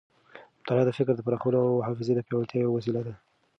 مطالعه د فکر د پراخولو او حافظې د پیاوړتیا یوه وسیله ده.